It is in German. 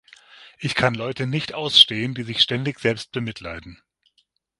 Ich kann Leute nicht ausstehen, die sich ständig selbst bemitleiden.